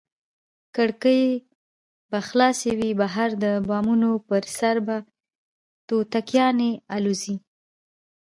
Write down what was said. کړکۍ به خلاصې وي، بهر د بامونو پر سر به توتکیانې الوزي.